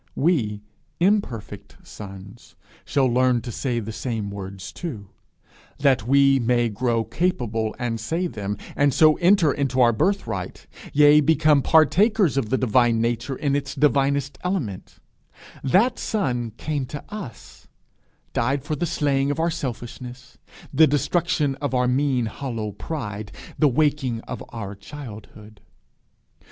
We, imperfect sons, shall learn to say the same words too: that we may grow capable and say them, and so enter into our birthright, yea, become partakers of the divine nature in its divinest element, that Son came to us died for the slaying of our selfishness, the destruction of our mean hollow pride, the waking of our childhood.